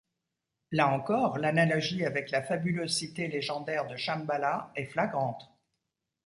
Là encore, l’analogie avec la fabuleuse cité légendaire de Shamballa est flagrante.